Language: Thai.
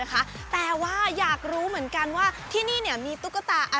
กับการเปิดลอกจินตนาการของเพื่อนเล่นวัยเด็กของพวกเราอย่างโลกของตุ๊กตา